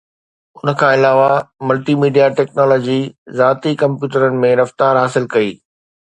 ان کان علاوه، multimedia technology ذاتي ڪمپيوٽرن ۾ رفتار حاصل ڪئي